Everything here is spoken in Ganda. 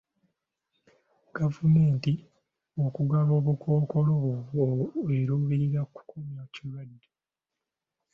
Gavumenti okugaba obukkookolo eruubirira kukomya kirwadde.